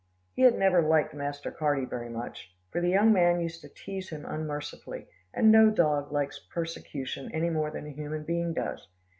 He had never liked Master Carty very much, for the young man used to tease him unmercifully, and no dog likes persecution any more than a human being does.